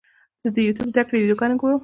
زه د یوټیوب زده کړې ویډیوګانې ګورم.